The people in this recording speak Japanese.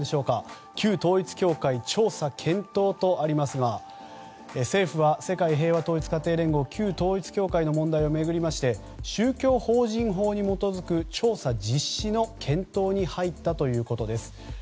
旧統一教会調査検討とありますが政府は世界平和統一家庭連合旧統一教会の問題を巡りまして宗教法人法に基づく調査実施の検討に入ったということです。